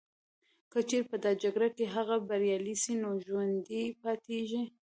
که چیري په دا جګړه کي هغه بریالي سي نو ژوندي پاتیږي